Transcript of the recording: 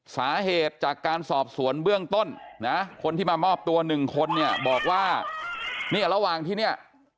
สาเหตุจากการสอบสวนเบื้องต้นนะคนที่มามอบตัวหนึ่งคนเนี่ยบอกว่าเนี่ยระหว่างที่เนี่ย